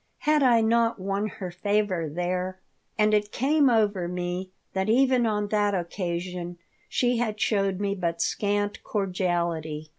Had I not won her favor there? And it came over me that even on that occasion she had shown me but scant cordiality.